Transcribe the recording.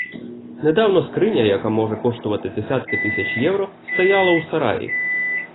Недавно скриня, яка може коштувати десятки тисяч євро, стояла у сараї.